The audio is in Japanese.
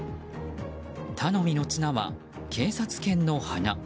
頼みの綱は警察犬の鼻。